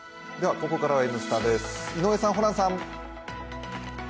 ここからは「Ｎスタ」です、井上さん、ホランさん。